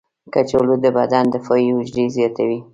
کچالو د بدن دفاعي حجرې زیاتوي.